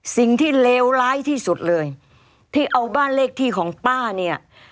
เลวร้ายที่สุดเลยที่เอาบ้านเลขที่ของป้าเนี่ย